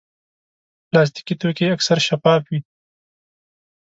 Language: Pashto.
پلاستيکي توکي اکثر شفاف وي.